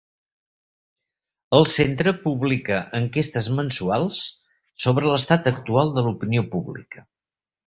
El centre publica enquestes mensuals sobre l'estat actual de l'opinió pública.